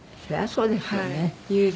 そうですね。